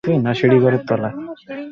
তিনি বর্ণালীবীক্ষণের জনকদের একজন।